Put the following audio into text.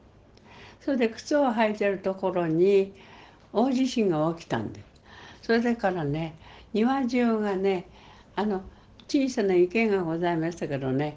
それで靴を履いてるところに大地震が起きたんでそれだからね庭中がね小さな池がございましたけどね